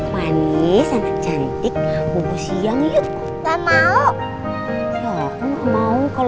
tolong juga masuk activity families juga